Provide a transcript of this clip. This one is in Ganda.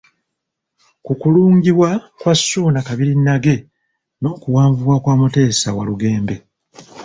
Ku kulungiwa kwa Ssuuna Kabirinnage n'okuwanvuwa kwa Mutesa Walugembe.